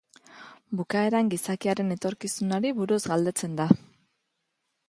Bukaeran gizakiaren etorkizunari buruz galdetzen da.